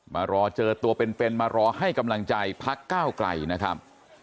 มารอเจอตัวเป็นมารอให้กำลังใจพักก้าวไกลนะครับ